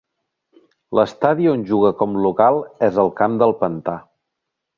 L'estadi on juga com local és el Camp del Pantà.